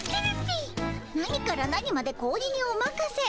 「何から何まで子鬼におまかせ。